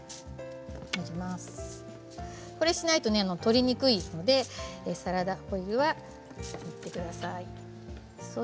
これをしないと取りにくいのでサラダオイルは塗ってください。